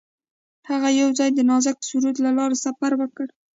هغوی یوځای د نازک سرود له لارې سفر پیل کړ.